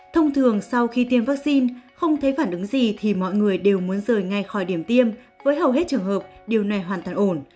thông thường sau khi tiêm vaccine không thấy phản ứng gì thì mọi người đều muốn rời ngay khỏi điểm tiêm với hầu hết trường hợp điều này hoàn toàn ổn